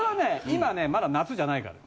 今ねまだ夏じゃないから。